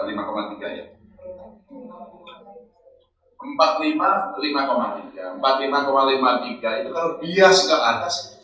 empat puluh lima lima puluh tiga itu kalau bias ke atas